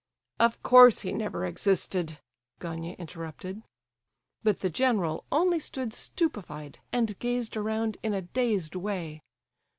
"Of course he never existed!" Gania interrupted. But the general only stood stupefied and gazed around in a dazed way.